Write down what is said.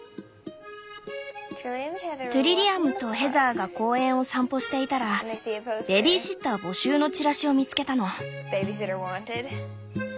トゥリリアムとヘザーが公園を散歩していたらベビーシッター募集のチラシを見つけたの。